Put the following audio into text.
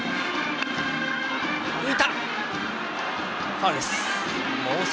ファウルです。